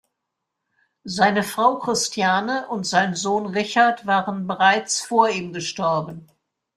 Seine Frau Christiane und sein Sohn Richard waren bereits vor ihm gestorben.